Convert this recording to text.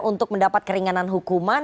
untuk mendapat keringanan hukuman